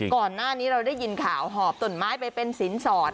ก่อนหน้านี้เราได้ยินข่าวหอบต้นไม้ไปเป็นสินสอด